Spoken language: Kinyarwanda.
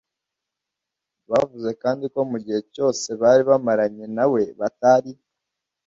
bavuze kandi ko mu gihe cyose bari bamaranye nawe batari